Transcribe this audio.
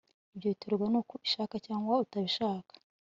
Ibyo biterwa nuko ubishaka cyangwa utabishaka